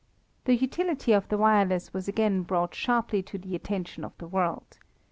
The utility of the wireless was again brought sharply to the attention of the world.